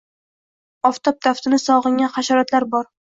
Oftob taftini sog’ingan hasharotlar bor.